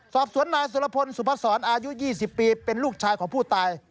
สอบสวนนายสุรพลสุพศรอายุ๒๐ปีเป็นลูกชายของผู้ตาย